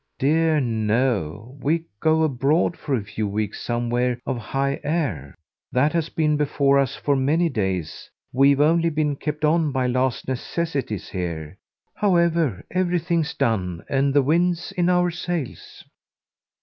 "Dear no. We go abroad for a few weeks somewhere of high air. That has been before us for many days; we've only been kept on by last necessities here. However, everything's done and the wind's in our sails."